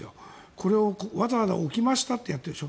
これをわざわざ置きましたとやってるでしょ。